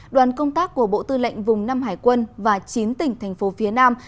đoàn công tác của bộ tư lệnh vùng năm hải quân và chín tỉnh thành phố phía nam